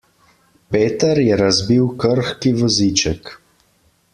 Peter je razbil krhki voziček.